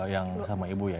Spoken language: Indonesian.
yang sama ibu ya